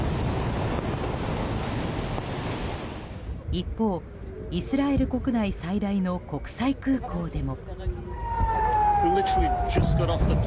一方、イスラエル国内最大の国際空港でも。